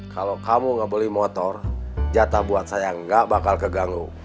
kalau kamu nggak beli motor jatah buat saya gak bakal keganggu